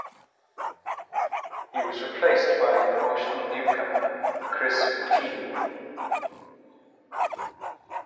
He was replaced by promotional newcomer Kris Moutinho.